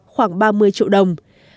khoảng ba mươi triệu đồng